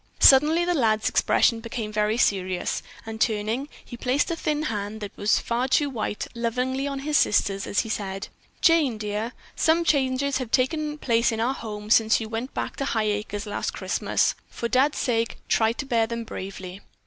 Suddenly the lad's expression became very serious, and turning, he placed a thin hand, that was far too white, lovingly on his sister's as he said: "Jane, dear, some changes have taken place in our home since you went back to Highacres last Christmas. For Dad's sake try to bear them bravely."